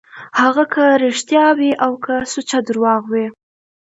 هغه که رښتيا وي او که سوچه درواغ وي.